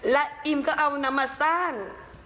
และอิมก็เอานำมาสร้าง